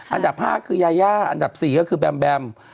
อันดับ๕คือยายาอันดับ๔ก็คือแบมแบม